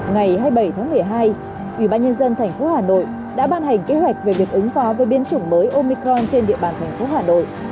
ngày hai mươi bảy tháng một mươi hai ủy ban nhân dân tp hà nội đã ban hành kế hoạch về việc ứng phó với biến chủng mới omicron trên địa bàn tp hà nội